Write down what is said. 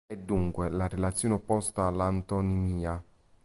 È dunque la relazione opposta all'antonimia.